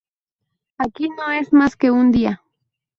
Aquí no es más que un día.